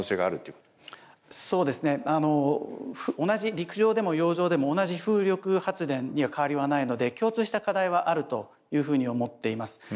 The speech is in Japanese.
同じ陸上でも洋上でも同じ風力発電には変わりはないので共通した課題はあるというふうに思っています。